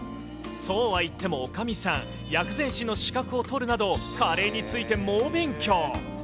そうは言ってもおかみさん、薬膳師の資格を取るなど、カレーについて猛勉強。